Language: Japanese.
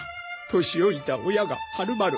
年老いた親がはるばる